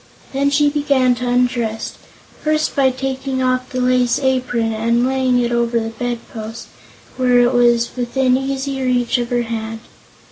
Then she began to undress, first taking off the lace apron and laying it over the bedpost, where it was within easy reach of her hand.